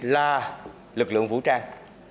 ba lực lượng vũ trang